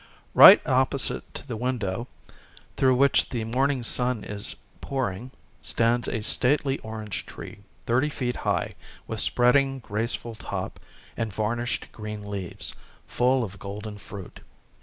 1/ Right opposite to the window, through which the morning sun is pouring, stands a stately orange tree, thirty feet high, with spreading, graceful top, and varnished green leaves, full of golden fruit.